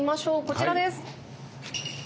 こちらです。